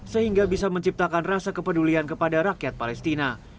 sehingga bisa menciptakan rasa kepedulian kepada rakyat palestina